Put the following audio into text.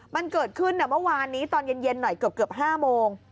มันเกิดขึ้นเมื่อวานนี้ตอนเย็นหน่อยเกือบ๕โมง